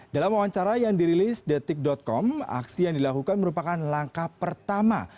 dalam wawancara yang dirilis detik com aksi yang dilakukan merupakan langkah pertama